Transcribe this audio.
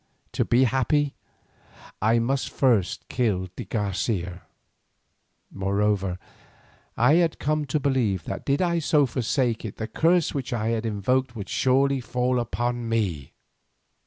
To be happy I must first kill de Garcia. Moreover I had come to believe that did I so forsake it the curse which I had invoked would surely fall upon me.